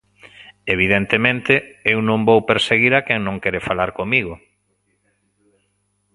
Evidentemente, eu non vou perseguir a quen non quere falar comigo.